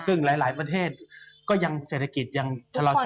ซึ่งหลายประเทศก็ยังเศรษฐกิจยังชะลอ